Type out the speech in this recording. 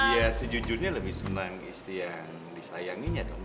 ya sejujurnya lebih senang istri yang disayanginya dong